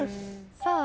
さあ